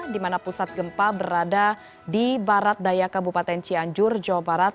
di mana pusat gempa berada di barat daya kabupaten cianjur jawa barat